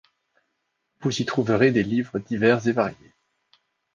Vous y trouverez des livres divers et variés.